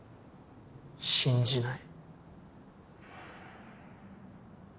信じない。